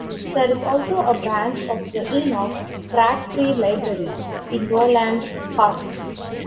There is also a branch of the Enoch Pratt Free Library in Roland Park.